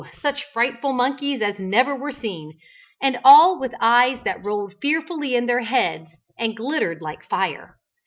such frightful monkeys as never were seen) and all with eyes that rolled fearfully in their heads and glittered like fire.